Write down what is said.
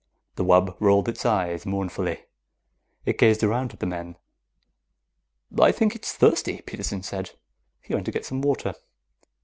The wub rolled its eyes mournfully. It gazed around at the men. "I think it's thirsty," Peterson said. He went to get some water.